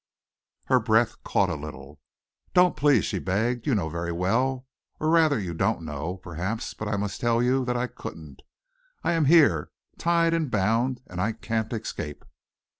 Her breath caught a little. "Don't, please," she begged. "You know very well or rather you don't know, perhaps, but I must tell you that I couldn't. I am here, tied and bound, and I can't escape."